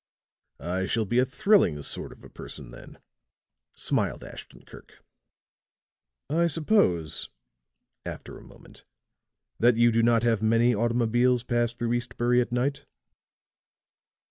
"I shall be a thrilling sort of a person, then," smiled Ashton Kirk. "I suppose," after a moment, "that you do not have many automobiles pass through Eastbury at night?"